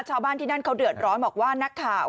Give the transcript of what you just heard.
ชาวบ้านที่นั่นเขาเดือดร้อนบอกว่านักข่าว